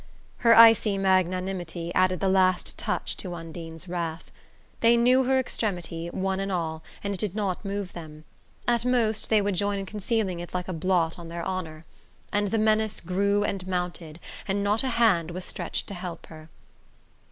Her icy magnanimity added the last touch to Undine's wrath. They knew her extremity, one and all, and it did not move them. At most, they would join in concealing it like a blot on their honour. And the menace grew and mounted, and not a hand was stretched to help her....